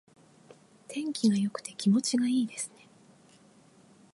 天気が良くて気持ちがいいですね。